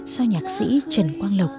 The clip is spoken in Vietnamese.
do nhạc sĩ trần quang lộc